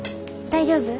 大丈夫や。